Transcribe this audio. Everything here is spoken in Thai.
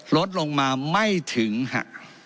ลดลงมาไม่ถึงฮะ